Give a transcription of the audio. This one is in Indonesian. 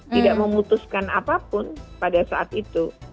tidak memutuskan apapun pada saat itu